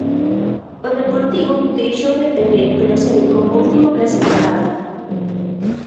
O Deportivo deixou de perder pero segue como último clasificado.